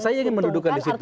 saya ingin mendudukan di situ